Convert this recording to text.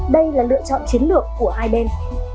đây là lựa chọn chiến lược của hai bên